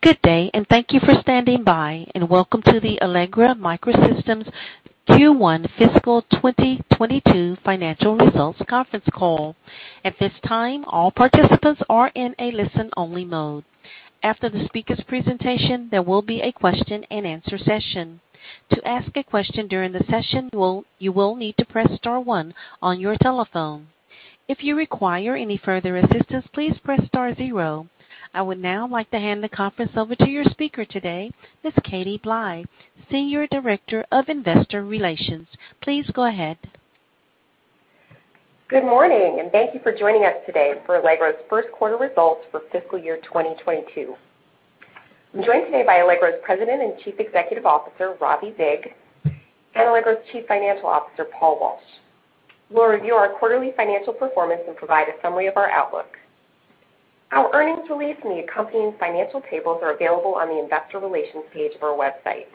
Good day, and thank you for standing by, and welcome to the Allegro MicroSystems Q1 fiscal 2022 financial results conference call. I would now like to hand the conference over to your speaker today, Ms. Katie Blye, Senior Director of Investor Relations. Please go ahead. Good morning, thank you for joining us today for Allegro's first quarter results for fiscal year 2022. I'm joined today by Allegro's President and Chief Executive Officer, Ravi Vig, and Allegro's Chief Financial Officer, Paul Walsh, who will review our quarterly financial performance and provide a summary of our outlook. Our earnings release and the accompanying financial tables are available on the investor relations page of our website.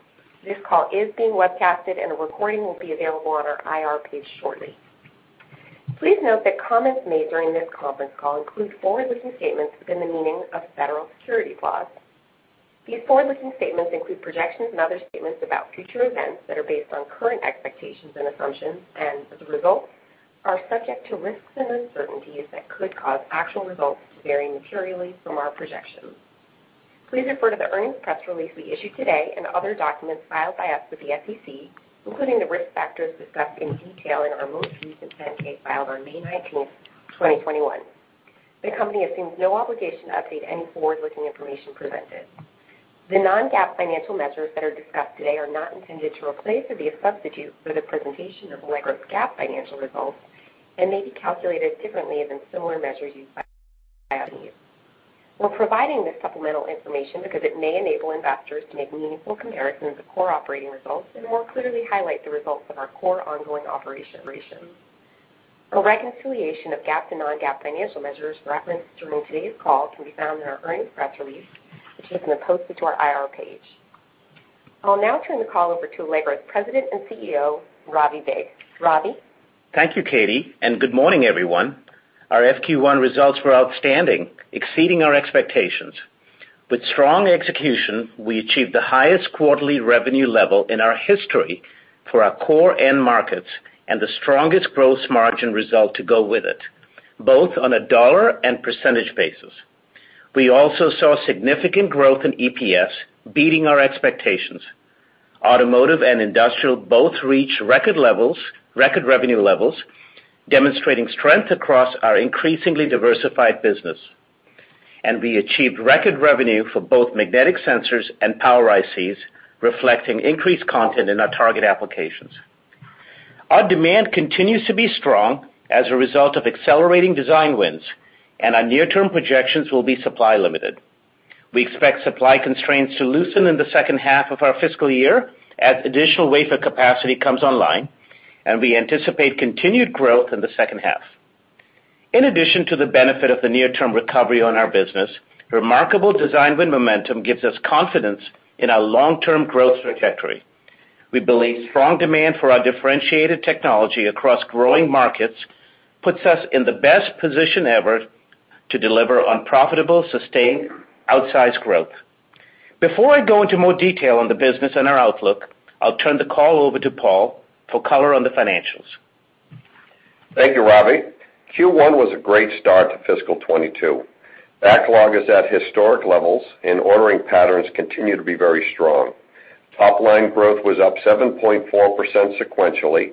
This call is being webcasted, and a recording will be available on our IR page shortly. Please note that comments made during this conference call include forward-looking statements within the meaning of federal securities laws. These forward-looking statements include projections and other statements about future events that are based on current expectations and assumptions, and as a result, are subject to risks and uncertainties that could cause actual results to vary materially from our projections. Please refer to the earnings press release we issued today and other documents filed by us with the SEC, including the risk factors discussed in detail in our most recent 10-K filed on May 19th, 2021. The company assumes no obligation to update any forward-looking information presented. The non-GAAP financial measures that are discussed today are not intended to replace or be a substitute for the presentation of Allegro's GAAP financial results and may be calculated differently than similar measures used by other companies. We're providing this supplemental information because it may enable investors to make meaningful comparisons of core operating results and more clearly highlight the results of our core ongoing operations. A reconciliation of GAAP to non-GAAP financial measures referenced during today's call can be found in our earnings press release, which has been posted to our IR page. I'll now turn the call over to Allegro's President and CEO, Ravi Vig. Ravi? Thank you, Katie. Good morning, everyone. Our FQ1 results were outstanding, exceeding our expectations. With strong execution, we achieved the highest quarterly revenue level in our history for our core end markets and the strongest gross margin result to go with it, both on a dollar and percentage basis. We also saw significant growth in EPS, beating our expectations. Automotive and Industrial both reached record revenue levels, demonstrating strength across our increasingly diversified business. We achieved record revenue for both magnetic sensors and Power ICs, reflecting increased content in our target applications. Our demand continues to be strong as a result of accelerating design wins, and our near-term projections will be supply limited. We expect supply constraints to loosen in the second half of our fiscal year as additional wafer capacity comes online, and we anticipate continued growth in the second half. In addition to the benefit of the near-term recovery on our business, remarkable design win momentum gives us confidence in our long-term growth trajectory. We believe strong demand for our differentiated technology across growing markets puts us in the best position ever to deliver on profitable, sustained, outsized growth. Before I go into more detail on the business and our outlook, I'll turn the call over to Paul for color on the financials. Thank you, Ravi. Q1 was a great start to fiscal 2022. Backlog is at historic levels, and ordering patterns continue to be very strong. Topline growth was up 7.4% sequentially.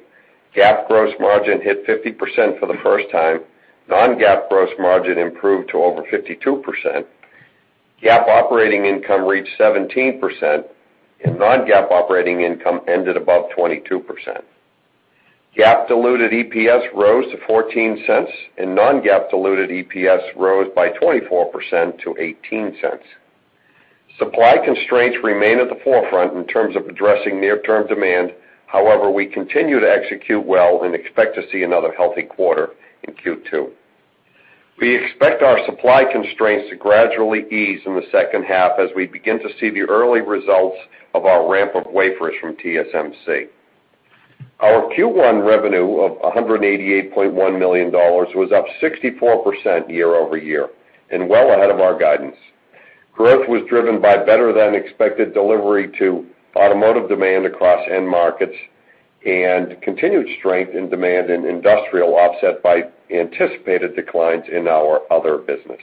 GAAP gross margin hit 50% for the first time. Non-GAAP gross margin improved to over 52%. GAAP operating income reached 17%, and non-GAAP operating income ended above 22%. GAAP diluted EPS rose to $0.14, and non-GAAP diluted EPS rose by 24% to $0.18. Supply constraints remain at the forefront in terms of addressing near-term demand. We continue to execute well and expect to see another healthy quarter in Q2. We expect our supply constraints to gradually ease in the second half as we begin to see the early results of our ramp of wafers from TSMC. Our Q1 revenue of $188.1 million was up 64% year-over-year and well ahead of our guidance. Growth was driven by better-than-expected delivery to Automotive demand across end markets and continued strength in demand in Industrial, offset by anticipated declines in our Other business.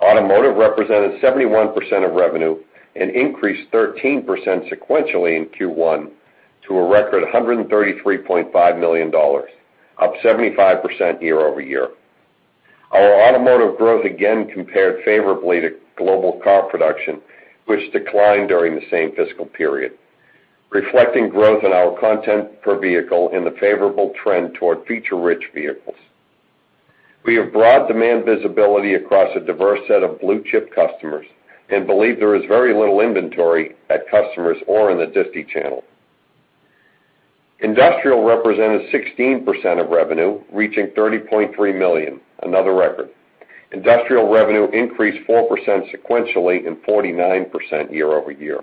Automotive represented 71% of revenue and increased 13% sequentially in Q1 to a record $133.5 million, up 75% year-over-year. Our automotive growth again compared favorably to global car production, which declined during the same fiscal period, reflecting growth in our content per vehicle and the favorable trend toward feature-rich vehicles. We have broad demand visibility across a diverse set of blue-chip customers and believe there is very little inventory at customers or in the distribution channel. Industrial represented 16% of revenue, reaching $30.3 million, another record. Industrial revenue increased 4% sequentially and 49% year-over-year.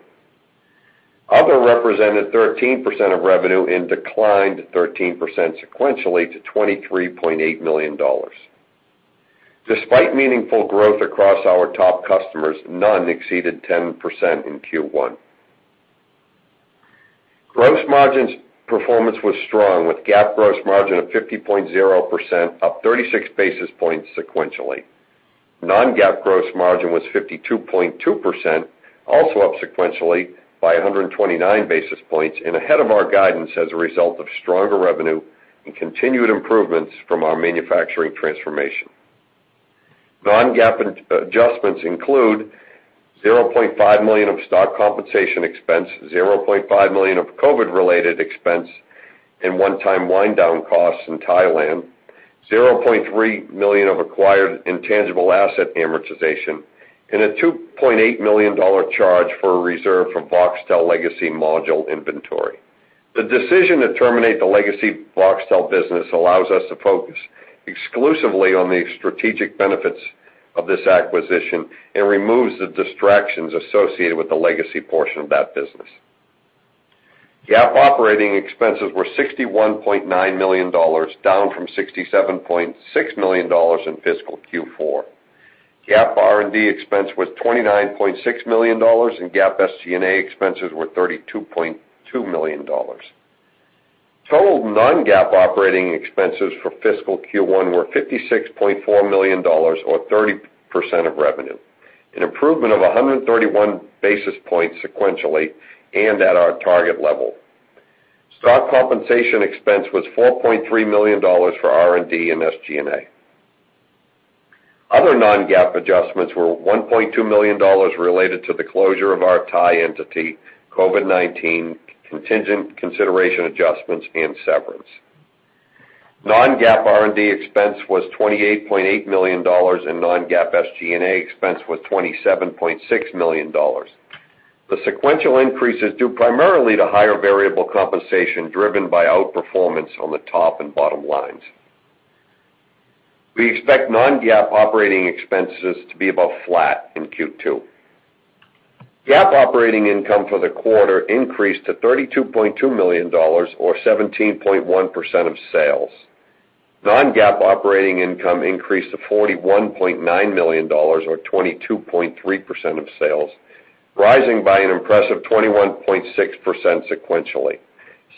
Other represented 13% of revenue and declined 13% sequentially to $23.8 million. Despite meaningful growth across our top customers, none exceeded 10% in Q1. Gross margins performance was strong with GAAP gross margin of 50.0% up 36 basis points sequentially. Non-GAAP gross margin was 52.2%, also up sequentially by 129 basis points and ahead of our guidance as a result of stronger revenue and continued improvements from our manufacturing transformation. Non-GAAP adjustments include $0.5 million of stock compensation expense, $0.5 million of COVID related expense, and one-time wind down costs in Thailand, $0.3 million of acquired intangible asset amortization, and a $2.8 million charge for a reserve for Voxtel legacy module inventory. The decision to terminate the legacy Voxtel business allows us to focus exclusively on the strategic benefits of this acquisition and removes the distractions associated with the legacy portion of that business. GAAP operating expenses were $61.9 million, down from $67.6 million in fiscal Q4. GAAP R&D expense was $29.6 million, and GAAP SG&A expenses were $32.2 million. Total non-GAAP operating expenses for fiscal Q1 were $56.4 million or 30% of revenue, an improvement of 131 basis points sequentially and at our target level. Stock compensation expense was $4.3 million for R&D and SG&A. Other non-GAAP adjustments were $1.2 million related to the closure of our Thai entity, COVID-19 contingent consideration adjustments, and severance. Non-GAAP R&D expense was $28.8 million, and non-GAAP SG&A expense was $27.6 million. The sequential increase is due primarily to higher variable compensation driven by outperformance on the top and bottom lines. We expect non-GAAP operating expenses to be above flat in Q2. GAAP operating income for the quarter increased to $32.9 million or 17.1% of sales. Non-GAAP operating income increased to $41.9 million or 22.3% of sales, rising by an impressive 21.6% sequentially,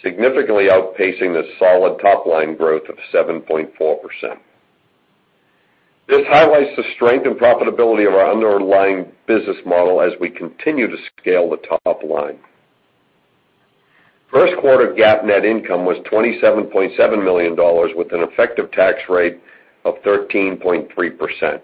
significantly outpacing the solid top-line growth of 7.4%. This highlights the strength and profitability of our underlying business model as we continue to scale the top line. First quarter GAAP net income was $27.7 million with an effective tax rate of 13.3%.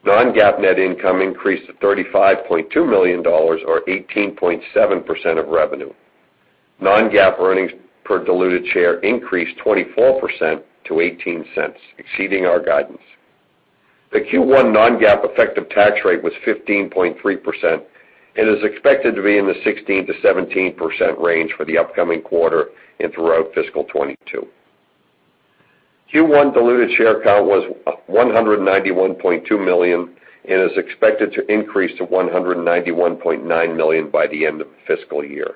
GAAP earnings per diluted share increased by $0.09 over fiscal Q4 to $0.14 in Q1. Non-GAAP net income increased to $35.2 million or 18.7% of revenue. Non-GAAP earnings per diluted share increased 24% to $0.18, exceeding our guidance. The Q1 non-GAAP effective tax rate was 15.3% and is expected to be in the 16%-17% range for the upcoming quarter and throughout fiscal 2022. Q1 diluted share count was 191.2 million and is expected to increase to 191.9 million by the end of the fiscal year.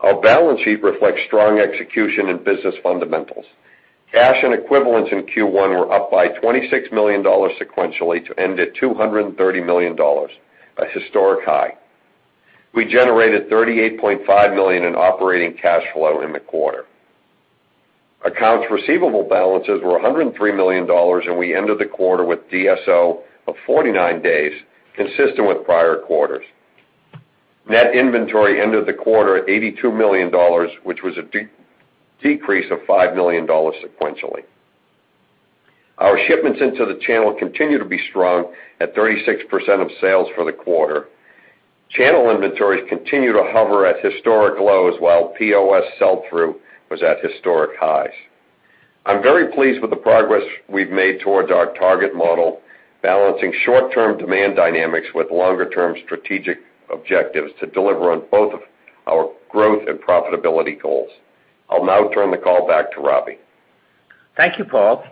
Our balance sheet reflects strong execution in business fundamentals. Cash and equivalents in Q1 were up by $26 million sequentially to end at $230 million, a historic high. We generated $38.5 million in operating cash flow in the quarter. Accounts receivable balances were $103 million, and we ended the quarter with DSO of 49 days, consistent with prior quarters. Net inventory ended the quarter at $82 million, which was a decrease of $5 million sequentially. Our shipments into the channel continue to be strong at 36% of sales for the quarter. Channel inventories continue to hover at historic lows while POS sell-through was at historic highs. I'm very pleased with the progress we've made towards our target model, balancing short-term demand dynamics with longer-term strategic objectives to deliver on both of our growth and profitability goals. I'll now turn the call back to Ravi. Thank you, Paul.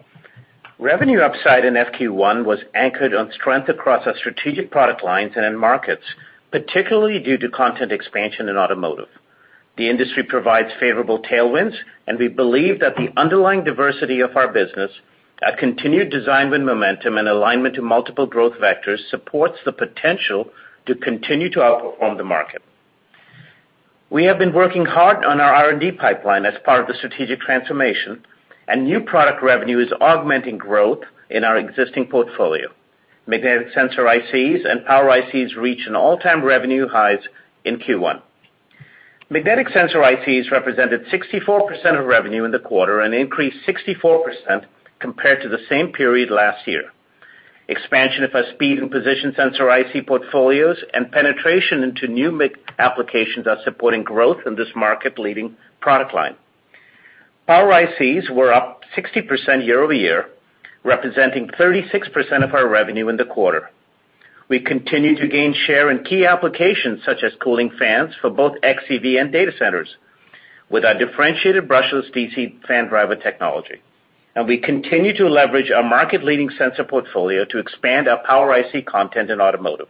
Revenue upside in FQ1 was anchored on strength across our strategic product lines and end markets, particularly due to content expansion in automotive. The industry provides favorable tailwinds. We believe that the underlying diversity of our business, our continued design win momentum, and alignment to multiple growth vectors supports the potential to continue to outperform the market. We have been working hard on our R&D pipeline as part of the strategic transformation. New product revenue is augmenting growth in our existing portfolio. Magnetic sensor ICs and Power ICs reached an all-time revenue highs in Q1. Magnetic sensor ICs represented 64% of revenue in the quarter and increased 64% compared to the same period last year. Expansion of our speed and position sensor IC portfolios and penetration into new mixed applications are supporting growth in this market-leading product line. Power ICs were up 60% year-over-year, representing 36% of our revenue in the quarter. We continue to gain share in key applications such as cooling fans for both xEV and data centers with our differentiated brushless DC fan driver technology. We continue to leverage our market-leading sensor portfolio to expand our Power IC content in automotive.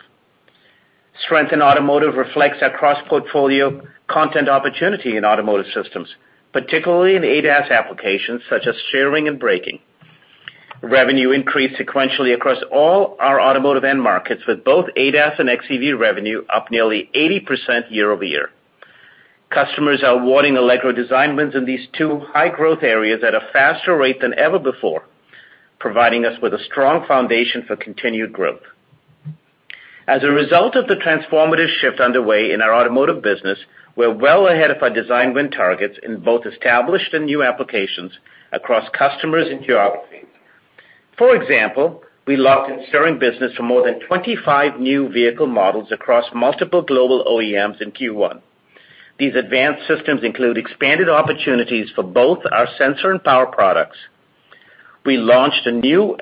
Strength in automotive reflects our cross-portfolio content opportunity in automotive systems, particularly in ADAS applications such as steering and braking. Revenue increased sequentially across all our automotive end markets, with both ADAS and xEV revenue up nearly 80% year over year. Customers are awarding Allegro design wins in these two high growth areas at a faster rate than ever before, providing us with a strong foundation for continued growth. As a result of the transformative shift underway in our automotive business, we're well ahead of our design win targets in both established and new applications across customers and geographies. For example, we locked in steering business for more than 25 new vehicle models across multiple global OEMs in Q1. These advanced systems include expanded opportunities for both our sensor and power products. We launched a new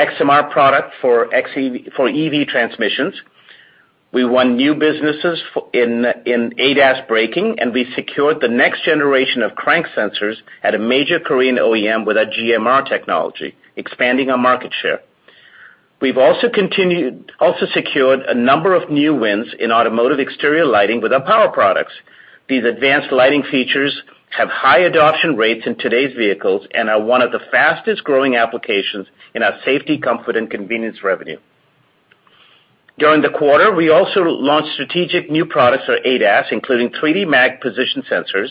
XMR product for EV transmissions. We won new businesses in ADAS braking, and we secured the next generation of crank sensors at a major Korean OEM with our GMR technology, expanding our market share. We've also secured a number of new wins in automotive exterior lighting with our power products. These advanced lighting features have high adoption rates in today's vehicles and are one of the fastest growing applications in our safety, comfort, and convenience revenue. During the quarter, we also launched strategic new products for ADAS, including 3DMAG position sensors,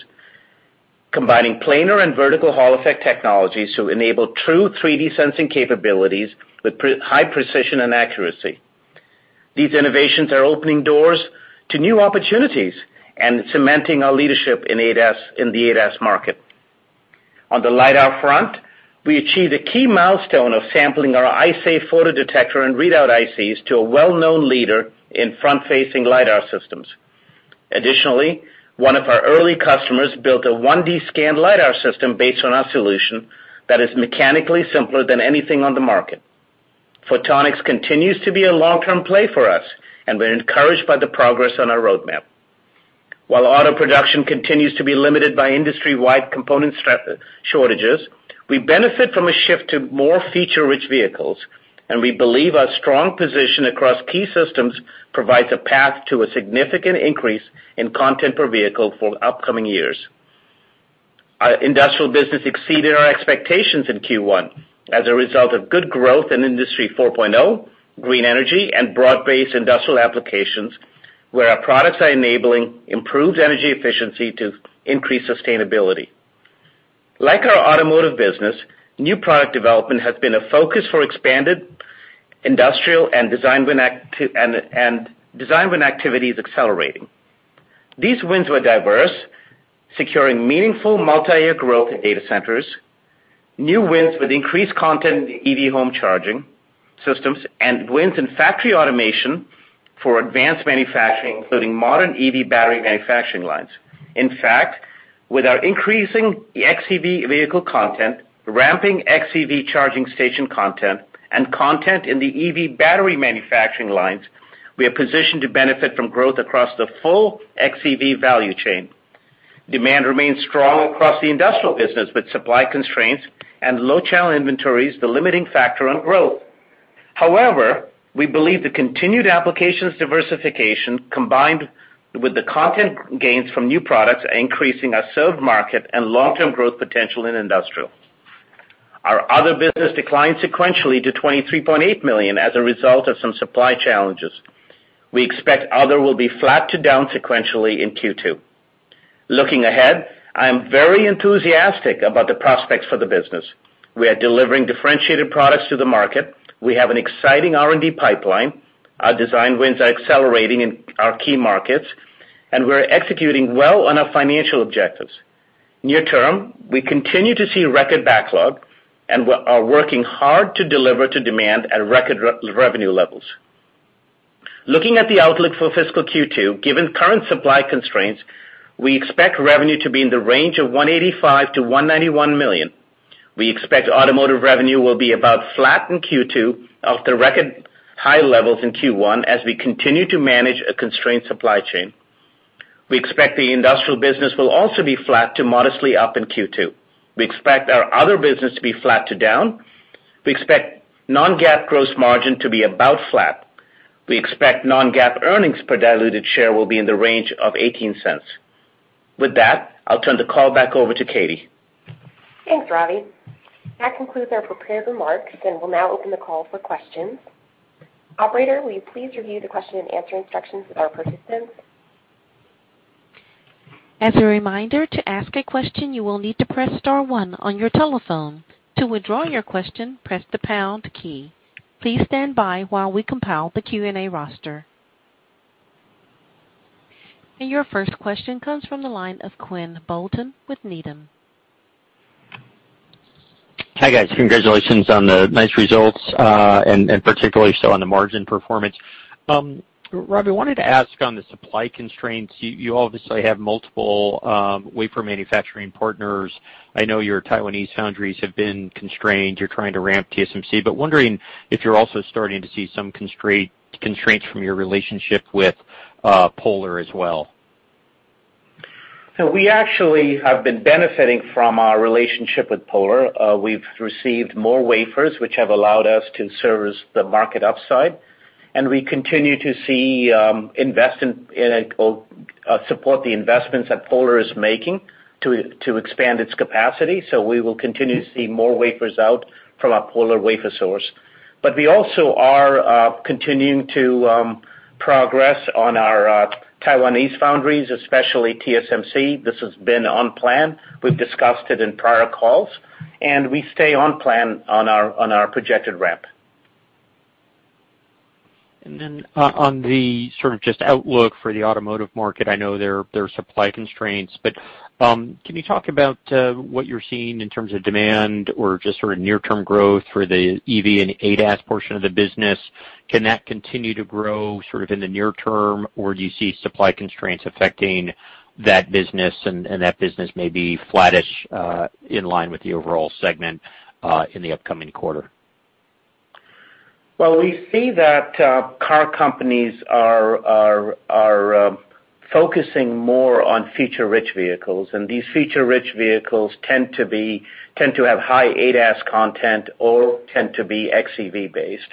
combining planar and vertical Hall effect technologies to enable true 3D sensing capabilities with high precision and accuracy. These innovations are opening doors to new opportunities and cementing our leadership in the ADAS market. On the lidar front, we achieved a key milestone of sampling our eye-safe photodetector and readout ICs to a well-known leader in front-facing lidar systems. One of our early customers built a 1D scan lidar system based on our solution that is mechanically simpler than anything on the market. Photonics continues to be a long-term play for us, and we're encouraged by the progress on our roadmap. While auto production continues to be limited by industry-wide component shortages, we benefit from a shift to more feature-rich vehicles, and we believe our strong position across key systems provides a path to a significant increase in content per vehicle for upcoming years. Our industrial business exceeded our expectations in Q1 as a result of good growth in Industry 4.0, green energy, and broad-based industrial applications, where our products are enabling improved energy efficiency to increase sustainability. Like our automotive business, new product development has been a focus for expanded industrial and design win activities accelerating. These wins were diverse, securing meaningful multi-year growth in data centers, new wins with increased content in EV home charging systems, and wins in factory automation for advanced manufacturing, including modern EV battery manufacturing lines. In fact, with our increasing xEV vehicle content, ramping xEV charging station content, and content in the EV battery manufacturing lines, we are positioned to benefit from growth across the full xEV value chain. Demand remains strong across the industrial business, with supply constraints and low channel inventories the limiting factor on growth. However, we believe the continued applications diversification, combined with the content gains from new products, are increasing our served market and long-term growth potential in industrial. Our other business declined sequentially to $23.8 million as a result of some supply challenges. We expect other will be flat to down sequentially in Q2. Looking ahead, I am very enthusiastic about the prospects for the business. We are delivering differentiated products to the market. We have an exciting R&D pipeline. Our design wins are accelerating in our key markets, and we're executing well on our financial objectives. Near term, we continue to see record backlog and are working hard to deliver to demand at record revenue levels. Looking at the outlook for fiscal Q2, given current supply constraints, we expect revenue to be in the range of $185 million-$191 million. We expect automotive revenue will be about flat in Q2 of the record high levels in Q1 as we continue to manage a constrained supply chain. We expect the industrial business will also be flat to modestly up in Q2. We expect our other business to be flat to down. We expect non-GAAP gross margin to be about flat. We expect non-GAAP earnings per diluted share will be in the range of $0.18. With that, I'll turn the call back over to Katie. Thanks, Ravi. That concludes our prepared remarks, and we'll now open the call for questions. Operator, will you please review the question and answer instructions with our participants? As a reminder, to ask a question, you will need to press star one on your telephone. To withdraw your question, press the pound key. Please stand by while we compile the Q&A roster. Your first question comes from the line of Quinn Bolton with Needham. Hi, guys. Congratulations on the nice results, and particularly so on the margin performance. Ravi, I wanted to ask on the supply constraints. You obviously have multiple wafer manufacturing partners. I know your Taiwanese foundries have been constrained. You're trying to ramp TSMC, but wondering if you're also starting to see some constraints from your relationship with Polar as well? We actually have been benefiting from our relationship with Polar. We've received more wafers, which have allowed us to service the market upside, and we continue to support the investments that Polar is making to expand its capacity. We will continue to see more wafers out from our Polar wafer source. We also are continuing to progress on our Taiwanese foundries, especially TSMC. This has been on plan. We've discussed it in prior calls, and we stay on plan on our projected ramp. Then on the sort of just outlook for the automotive market, I know there are supply constraints, but can you talk about what you're seeing in terms of demand or just sort of near-term growth for the EV and ADAS portion of the business? Can that continue to grow sort of in the near term, or do you see supply constraints affecting that business and that business may be flattish in line with the overall segment in the upcoming quarter? We see that car companies are focusing more on feature-rich vehicles, and these feature-rich vehicles tend to have high ADAS content or tend to be xEV based.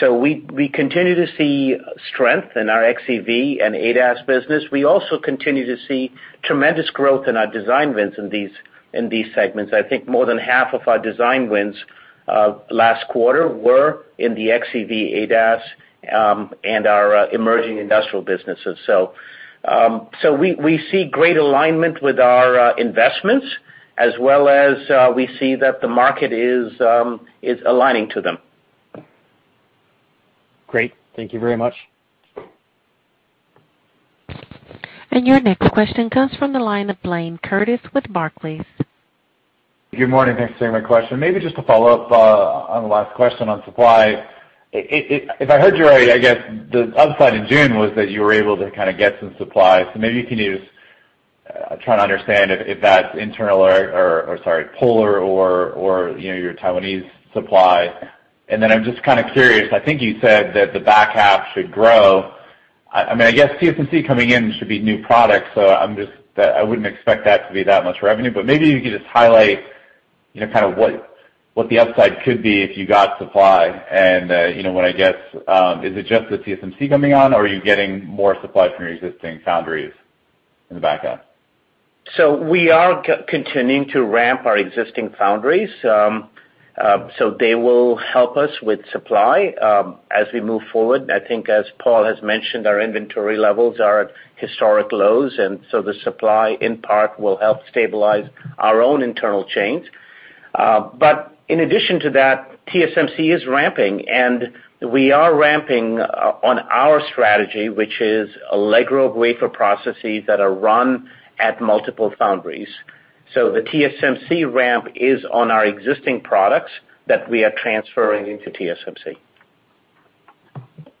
We continue to see strength in our xEV and ADAS business. We also continue to see tremendous growth in our design wins in these segments. I think more than half of our design wins last quarter were in the xEV, ADAS, and our emerging industrial businesses. We see great alignment with our investments as well as we see that the market is aligning to them. Great. Thank you very much. Your next question comes from the line of Blayne Curtis with Barclays. Good morning. Thanks for taking my question. Maybe just to follow up on the last question on supply. If I heard you right, I guess the upside in June was that you were able to kind of get some supply. Maybe you can just try to understand if that's internal or, sorry, Polar or your Taiwanese supply. Then I'm just kind of curious, I think you said that the back half should grow. I guess TSMC coming in should be new products, so I wouldn't expect that to be that much revenue, but maybe you could just highlight kind of what the upside could be if you got supply and what, I guess, is it just the TSMC coming on, or are you getting more supply from your existing foundries in the back half? We are continuing to ramp our existing foundries. They will help us with supply as we move forward. I think as Paul has mentioned, our inventory levels are at historic lows, the supply in part will help stabilize our own internal chains. In addition to that, TSMC is ramping, and we are ramping on our strategy, which is Allegro wafer processes that are run at multiple foundries. The TSMC ramp is on our existing products that we are transferring into TSMC.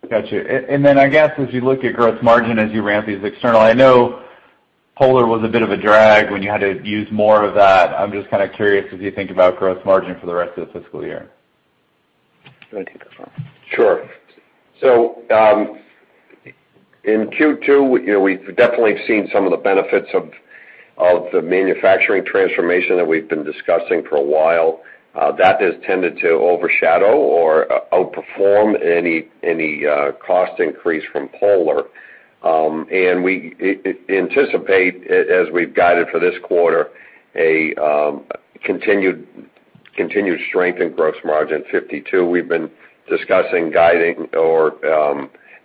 Got you. I guess as you look at gross margin as you ramp these external, I know Polar was a bit of a drag when you had to use more of that. I'm just kind of curious as you think about gross margin for the rest of the fiscal year. Do you want to take this one? Sure. In Q2, we've definitely seen some of the benefits of the manufacturing transformation that we've been discussing for a while. That has tended to overshadow or outperform any cost increase from Polar. We anticipate, as we've guided for this quarter, a continued strength in gross margin, 52%. We've been discussing guiding or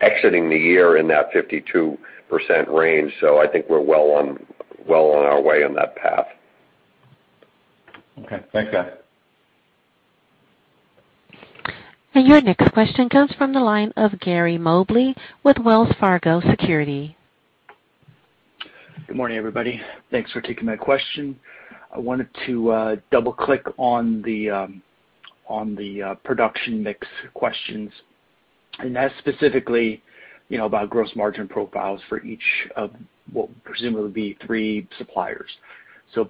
exiting the year in that 52% range, so I think we're well on our way on that path. Okay. Thanks, guys. Your next question comes from the line of Gary Mobley with Wells Fargo Securities. Good morning, everybody. Thanks for taking my question. I wanted to double click on the production mix questions. That's specifically about gross margin profiles for each of what presumably will be three suppliers.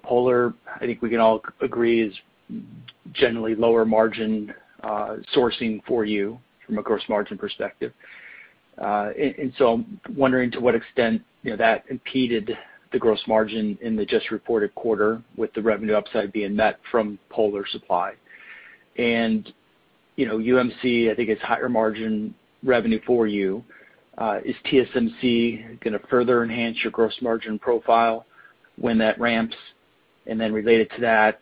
Polar, I think we can all agree, is generally lower margin sourcing for you from a gross margin perspective. I'm wondering to what extent that impeded the gross margin in the just reported quarter with the revenue upside being met from Polar supply. UMC, I think it's higher margin revenue for you. Is TSMC going to further enhance your gross margin profile when that ramps? Related to that,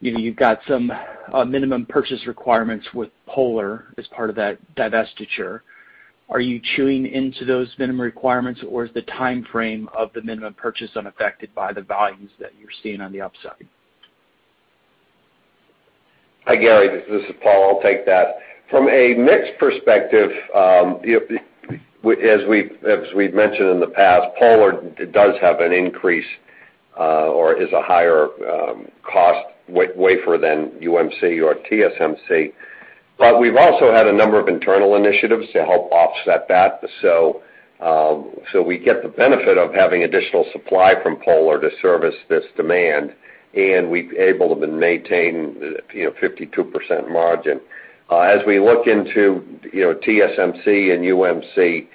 you've got some minimum purchase requirements with Polar as part of that divestiture. Are you chewing into those minimum requirements, or is the time frame of the minimum purchase unaffected by the volumes that you're seeing on the upside? Hi, Gary. This is Paul. I'll take that. From a mix perspective, as we've mentioned in the past, Polar does have an increase or is a higher cost wafer than UMC or TSMC. We've also had a number of internal initiatives to help offset that. We get the benefit of having additional supply from Polar to service this demand, and we've able to maintain 52% margin. As we look into TSMC and UMC,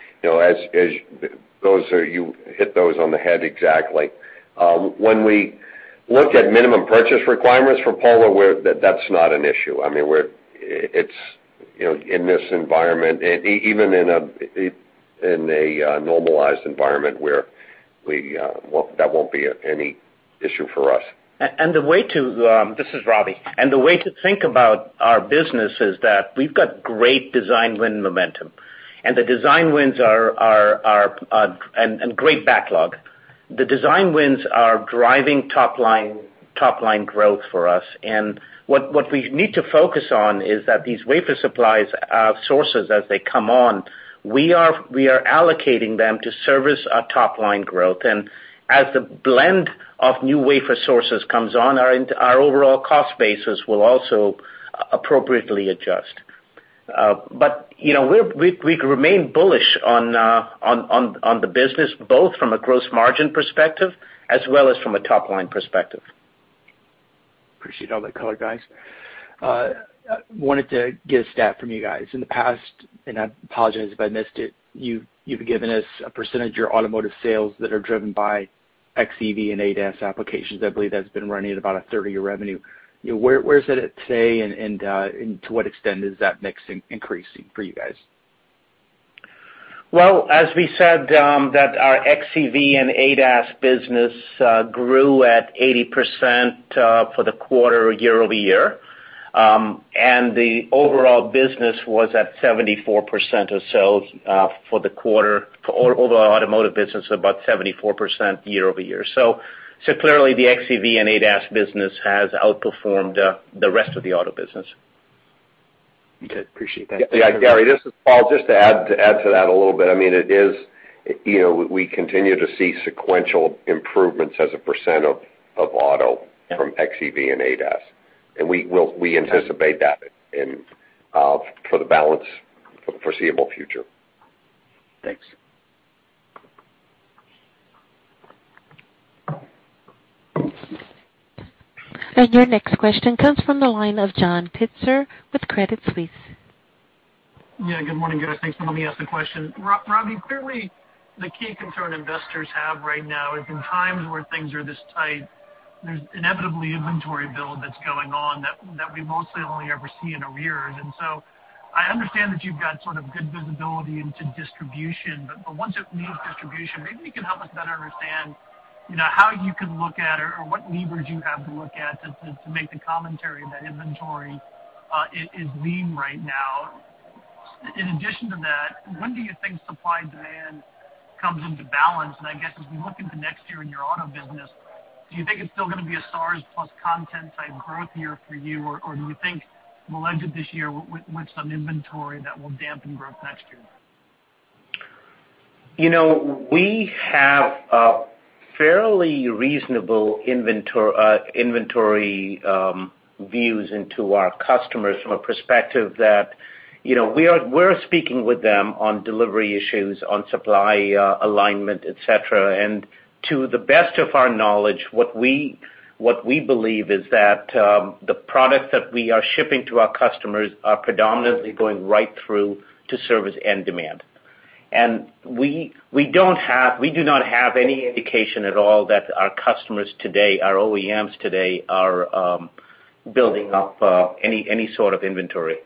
you hit those on the head exactly. When we look at minimum purchase requirements for power, that's not an issue. In this environment, even in a normalized environment, that won't be any issue for us. This is Ravi. The way to think about our business is that we've got great design win momentum and great backlog. The design wins are driving top-line growth for us. What we need to focus on is that these wafer supplies sources as they come on, we are allocating them to service our top-line growth. As the blend of new wafer sources comes on, our overall cost basis will also appropriately adjust. We remain bullish on the business, both from a gross margin perspective as well as from a top-line perspective. Appreciate all that color, guys. Wanted to get a stat from you guys. In the past, and I apologize if I missed it, you've given us a percentage of your automotive sales that are driven by xEV and ADAS applications. I believe that's been running at about a third of your revenue. Where is it at today and to what extent is that mix increasing for you guys? As we said that our xEV and ADAS business grew at 80% for the quarter year-over-year, and the overall business was at 74% or so for the quarter. For overall automotive business, about 74% year-over-year. Clearly the xEV and ADAS business has outperformed the rest of the auto business. Okay. Appreciate that. Yeah, Gary, this is Paul. Just to add to that a little bit. We continue to see sequential improvements as a percent of auto from xEV and ADAS, and we anticipate that for the balance for the foreseeable future. Thanks. Your next question comes from the line of John Pitzer with Credit Suisse. Yeah, good morning, guys. Thanks for letting me ask the question. Ravi, clearly the key concern investors have right now is in times where things are this tight, there's inevitably inventory build that's going on that we mostly only ever see in arrears. So I understand that you've got sort of good visibility into distribution, but once it leaves distribution, maybe you can help us better understand how you can look at or what levers you have to look at to make the commentary that inventory is lean right now. In addition to that, when do you think supply and demand comes into balance? I guess as we look into next year in your auto business, do you think it's still going to be a SAAR+ content type growth year for you? Do you think we'll exit this year with some inventory that will dampen growth next year? We have a fairly reasonable inventory views into our customers from a perspective that we're speaking with them on delivery issues, on supply alignment, et cetera. To the best of our knowledge, what we believe is that the products that we are shipping to our customers are predominantly going right through to service end demand. We do not have any indication at all that our customers today, our OEMs today, are building up any sort of inventory.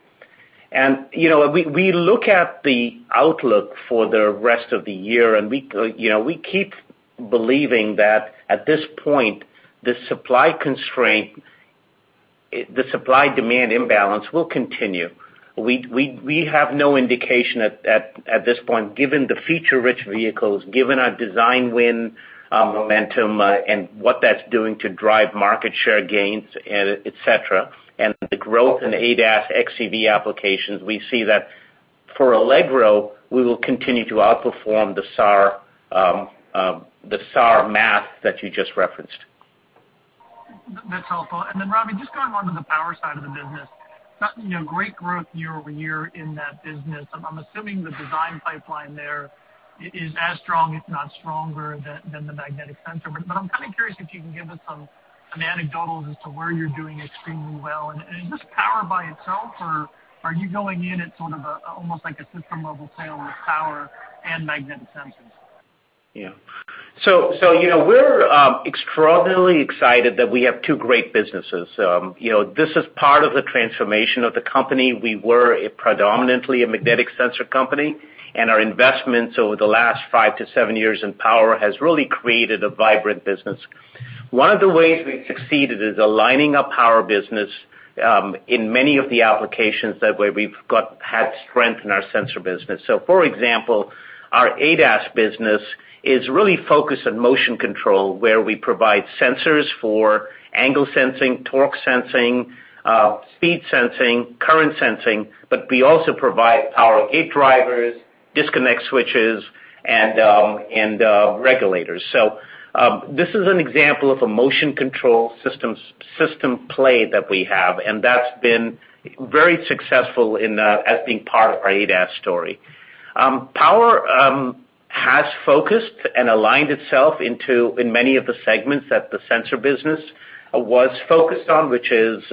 We look at the outlook for the rest of the year, and we keep believing that at this point, the supply constraint, the supply-demand imbalance will continue. We have no indication at this point, given the feature-rich vehicles, given our design win momentum and what that's doing to drive market share gains, et cetera, and the growth in ADAS xEV applications, we see that for Allegro, we will continue to outperform the SAAR math that you just referenced. That's helpful. Ravi, just going on to the power side of the business, great growth year-over-year in that business. I'm assuming the design pipeline there is as strong, if not stronger than the magnetic sensor. I'm kind of curious if you can give us some anecdotals as to where you're doing extremely well, and is this power by itself, or are you going in at sort of almost like a system level sale with power and magnetic sensors? Yeah. We're extraordinarily excited that we have two great businesses. This is part of the transformation of the company. We were predominantly a magnetic sensor company, and our investments over the last five to seven years in power has really created a vibrant business. One of the ways we've succeeded is aligning our power business in many of the applications that way we've had strength in our sensor business. For example, our ADAS business is really focused on motion control, where we provide sensors for angle sensing, torque sensing, speed sensing, current sensing, but we also provide power gate drivers, disconnect switches, and regulators. This is an example of a motion control system play that we have, and that's been very successful as being part of our ADAS story. Power has focused and aligned itself in many of the segments that the sensor business was focused on, which is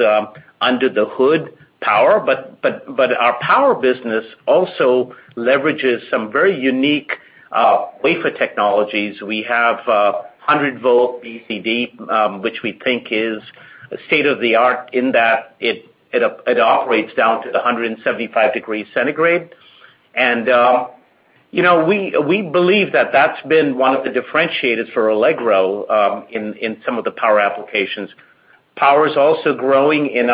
under the hood power. Our power business also leverages some very unique wafer technologies, we have 100-volt BCD, which we think is state-of-the-art in that it operates down to the 175 degrees Celsius. We believe that that's been one of the differentiators for Allegro in some of the power applications. Power is also growing in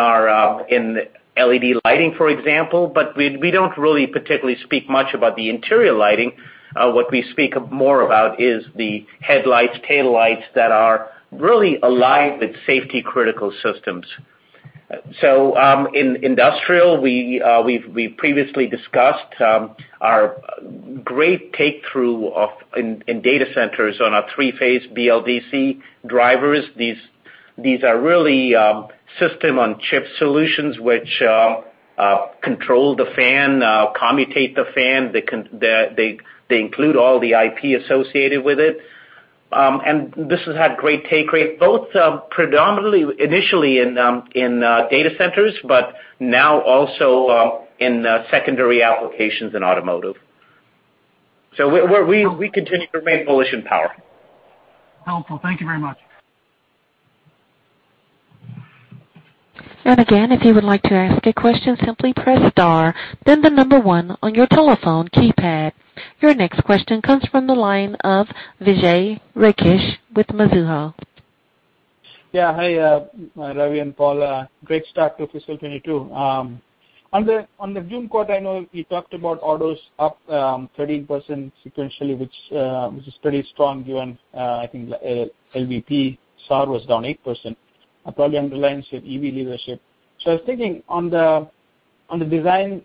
LED lighting, for example, but we don't really particularly speak much about the interior lighting. What we speak more about is the headlights, taillights that are really aligned with safety-critical systems. In industrial, we've previously discussed our great take-through in data centers on our three-phase BLDC drivers. These are really system-on-chip solutions which control the fan, commutate the fan. They include all the IP associated with it. This has had great take rate, both predominantly initially in data centers, but now also in secondary applications in automotive. We continue to remain bullish in power. Helpful. Thank you very much. Again, if you would like to ask a question, simply press star, then the number one on your telephone keypad. Your next question comes from the line of Vijay Rakesh with Mizuho. Yeah. Hi, Ravi and Paul. Great start to fiscal 2022. On the June quarter, I know you talked about orders up 13% sequentially, which is pretty strong given, I think LVP, SAAR was down 8%, probably underlines your EV leadership. I was thinking on the design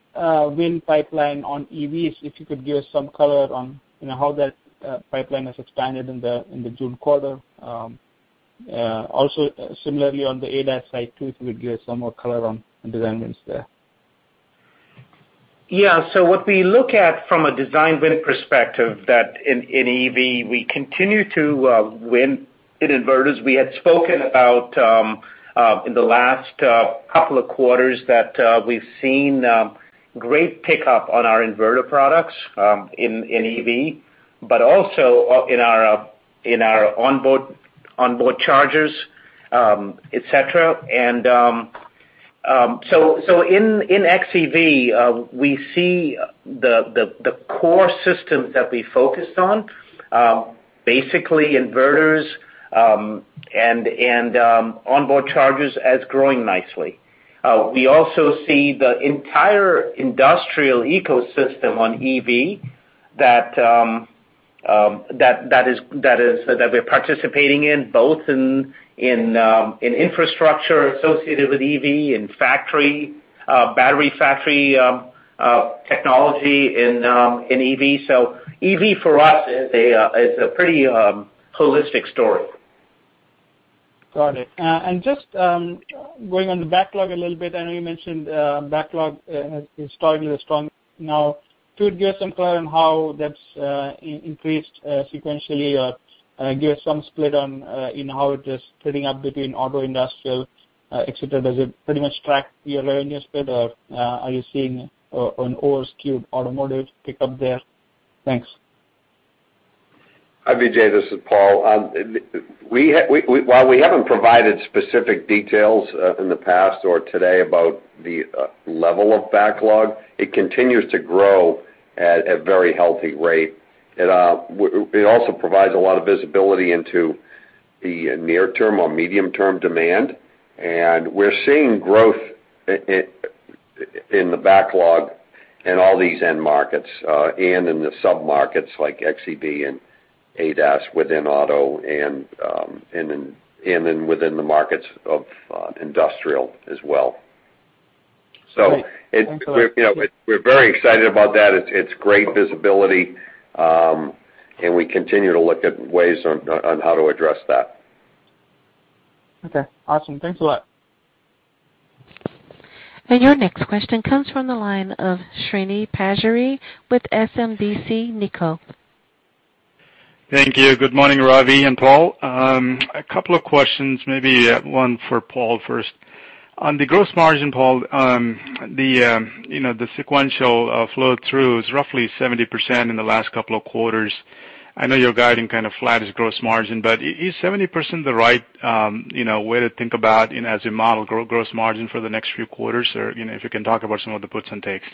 win pipeline on EVs, if you could give us some color on how that pipeline has expanded in the June quarter. Also similarly on the ADAS side too, if you could give us some more color on design wins there. Yeah. What we look at from a design win perspective that in EV, we continue to win in inverters. We had spoken about, in the last couple of quarters, that we've seen great pickup on our inverter products in EV, but also in our onboard chargers, et cetera. In xEV, we see the core systems that we focused on, basically inverters and onboard chargers, as growing nicely. We also see the entire industrial ecosystem on EV that we're participating in, both in infrastructure associated with EV, in battery factory technology in EV. EV for us is a pretty holistic story. Got it. Just going on the backlog a little bit, I know you mentioned backlog is starting strong now. Could you give some color on how that's increased sequentially or give some split on how it is splitting up between auto, industrial, et cetera? Does it pretty much track your earlier split, or are you seeing an overskewed automotive pickup there? Thanks. Hi, Vijay, this is Paul. While we haven't provided specific details in the past or today about the level of backlog, it continues to grow at a very healthy rate. It also provides a lot of visibility into the near-term or medium-term demand, and we're seeing growth in the backlog in all these end markets and in the sub-markets like xEV and ADAS within auto and within the markets of industrial as well. Great. Thanks a lot. We're very excited about that. It's great visibility, and we continue to look at ways on how to address that. Okay, awesome. Thanks a lot. Your next question comes from the line of Srini Pajjuri with SMBC Nikko. Thank you. Good morning, Ravi and Paul. A couple of questions, maybe one for Paul first. On the gross margin, Paul, the sequential flow-through is roughly 70% in the last couple of quarters. I know you're guiding kind of flattish gross margin, but is 70% the right way to think about as you model gross margin for the next few quarters, or if you can talk about some of the puts and takes.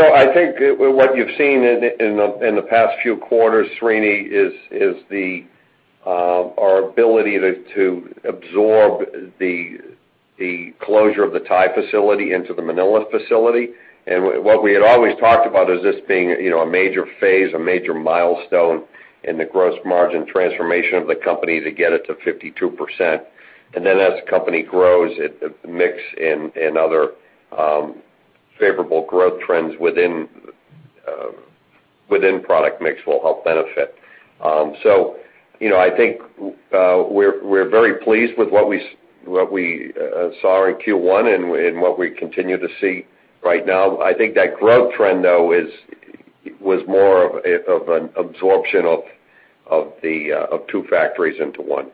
I think what you've seen in the past few quarters, Srini, is our ability to absorb the closure of the Thai facility into the Manila facility. What we had always talked about is this being a major phase, a major milestone in the gross margin transformation of the company to get it to 52%. Then as the company grows, the mix and other favorable growth trends within product mix will help benefit. I think we're very pleased with what we saw in Q1 and what we continue to see right now. I think that growth trend, though, was more of an absorption of two factories into one.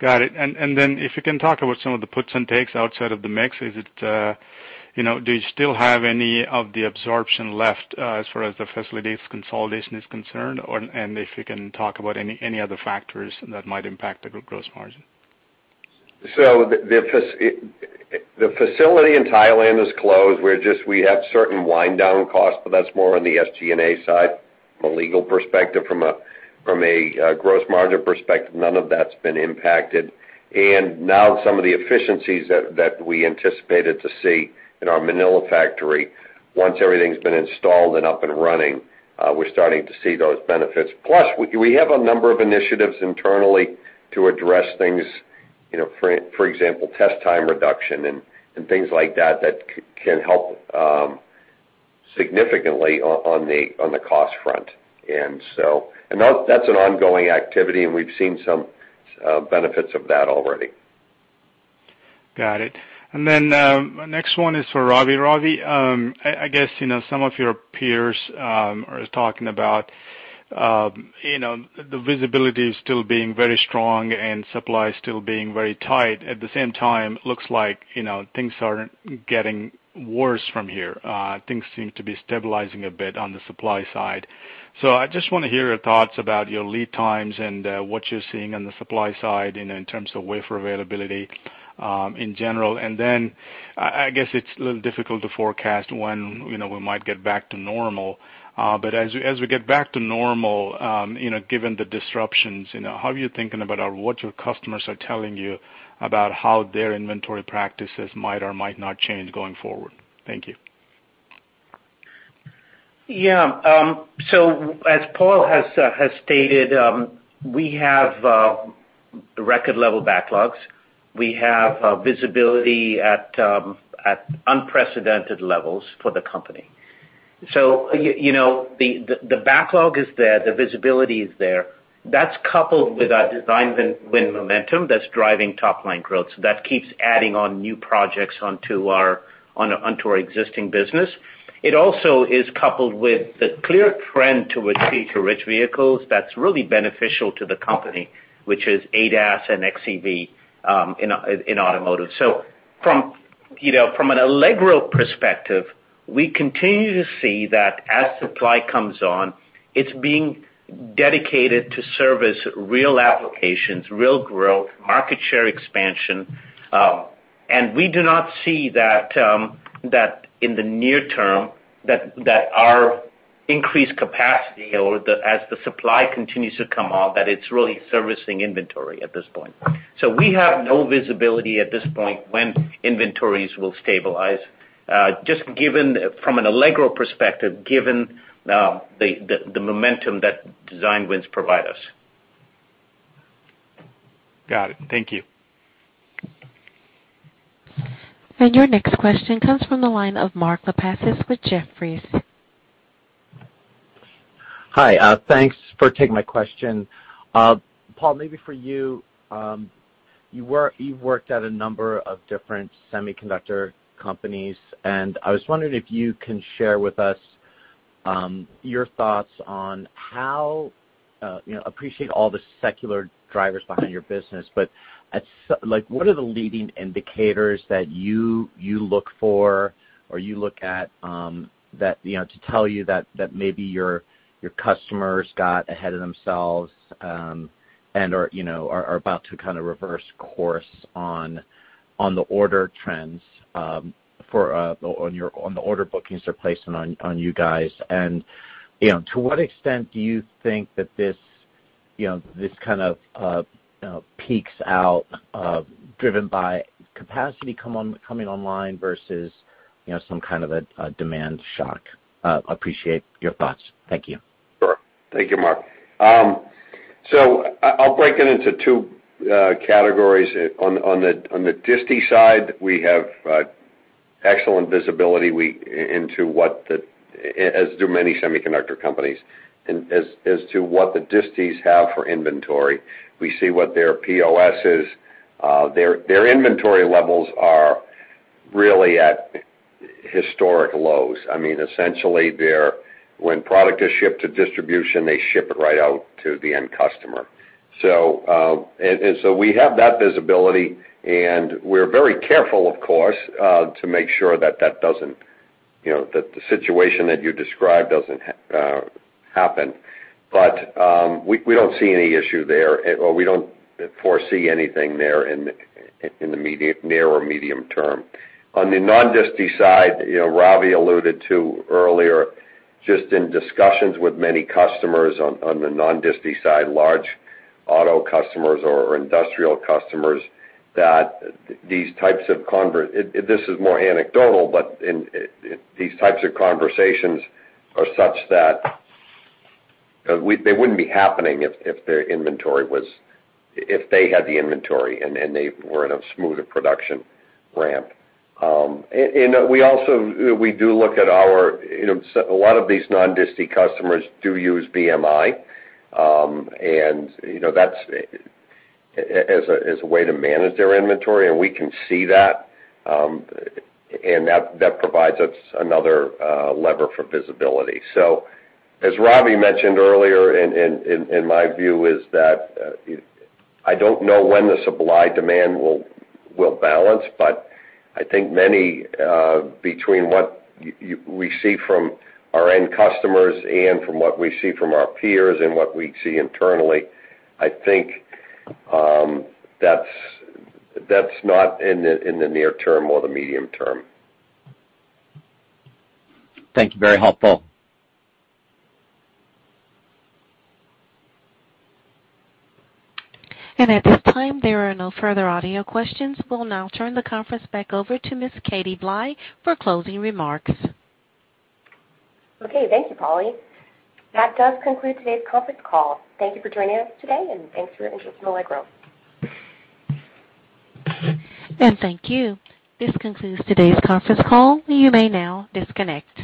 Got it. If you can talk about some of the puts and takes outside of the mix, do you still have any of the absorption left as far as the facilities consolidation is concerned? If you can talk about any other factors that might impact the group gross margin? The facility in Thailand is closed. We have certain wind-down costs, but that's more on the SG&A side from a legal perspective. From a gross margin perspective, none of that's been impacted. Now some of the efficiencies that we anticipated to see in our Manila factory, once everything's been installed and up and running, we're starting to see those benefits. Plus, we have a number of initiatives internally to address things, for example, test time reduction and things like that can help significantly on the cost front. That's an ongoing activity, and we've seen some benefits of that already. Got it. My next one is for Ravi. Ravi, I guess, some of your peers are talking about the visibility still being very strong and supply still being very tight. At the same time, looks like things aren't getting worse from here. Things seem to be stabilizing a bit on the supply side. I just want to hear your thoughts about your lead times and what you're seeing on the supply side and in terms of wafer availability in general. I guess it's a little difficult to forecast when we might get back to normal. As we get back to normal, given the disruptions, how are you thinking about what your customers are telling you about how their inventory practices might or might not change going forward? Thank you. Yeah. As Paul has stated, we have record-level backlogs. We have visibility at unprecedented levels for the company. The backlog is there, the visibility is there. That's coupled with our design win momentum that's driving top-line growth. That keeps adding on new projects onto our existing business. It also is coupled with the clear trend to feature-rich vehicles that's really beneficial to the company, which is ADAS and xEV in automotive. From an Allegro perspective, we continue to see that as supply comes on, it's being dedicated to service real applications, real growth, market share expansion. We do not see that in the near term, that our increased capacity or as the supply continues to come on, that it's really servicing inventory at this point. We have no visibility at this point when inventories will stabilize, just from an Allegro perspective, given the momentum that design wins provide us. Got it. Thank you. Your next question comes from the line of Mark Lipacis with Jefferies. Hi. Thanks for taking my question. Paul, maybe for you. You've worked at a number of different semiconductor companies, and I was wondering if you can share with us your thoughts on how I appreciate all the secular drivers behind your business, but what are the leading indicators that you look for or you look at to tell you that maybe your customers got ahead of themselves, and are about to kind of reverse course on the order trends on the order bookings they're placing on you guys? To what extent do you think that this kind of peaks out driven by capacity coming online versus some kind of a demand shock? Appreciate your thoughts. Thank you. Sure. Thank you, Mark. I'll break it into two categories. On the distribution side, we have excellent visibility, as do many semiconductor companies, as to what the distributions have for inventory. We see what their POS is. Their inventory levels are really at historic lows. Essentially, when product is shipped to distribution, they ship it right out to the end customer. We have that visibility, and we're very careful, of course, to make sure that the situation that you described doesn't happen. We don't see any issue there, or we don't foresee anything there in the near or medium term. On the non-distribution side, Ravi alluded to earlier, just in discussions with many customers on the non-distribution side, large auto customers or industrial customers, this is more anecdotal, but these types of conversations are such that they wouldn't be happening if they had the inventory and they were in a smoother production ramp. A lot of these non-distribution customers do use VMI, as a way to manage their inventory, and we can see that, and that provides us another lever for visibility. As Ravi mentioned earlier, and my view is that I don't know when the supply-demand will balance, but I think between what we see from our end customers and from what we see from our peers and what we see internally, I think that's not in the near term or the medium term. Thank you. Very helpful. At this time, there are no further audio questions. We'll now turn the conference back over to Ms. Katie Blye for closing remarks. Okay. Thank you, Polly. That does conclude today's conference call. Thank you for joining us today, and thanks for your interest in Allegro. Thank you. This concludes today's conference call. You may now disconnect.